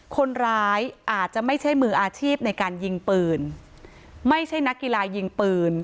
คนร้ายอาจจะไม่ใช่มืออาชีพในการยิงปืนไม่ใช่นักกีฬายิงปืน